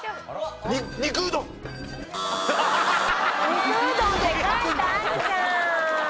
「肉うどん」って書いてあるじゃん！